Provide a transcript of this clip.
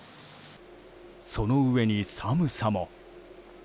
そのうえに寒さも。